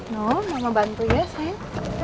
nuh mama bantu ya sayang